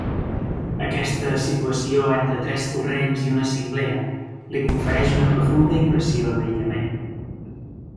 Aquesta situació entre tres torrents i una cinglera li confereix una profunda impressió d'aïllament.